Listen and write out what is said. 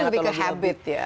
lebih ke habit ya